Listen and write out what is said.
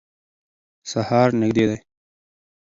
سهار نږدې دی.